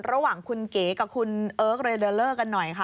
ระหว่างคุณเก๋กับคุณเอิร์กเรเดอร์เลอร์กันหน่อยค่ะ